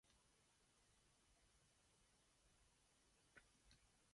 Indiana used to have petroleum but used it all up in the nineteenth century.